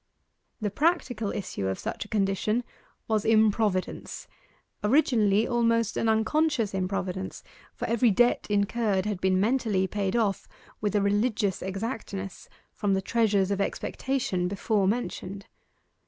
The practical issue of such a condition was improvidence, originally almost an unconscious improvidence, for every debt incurred had been mentally paid off with a religious exactness from the treasures of expectation before mentioned.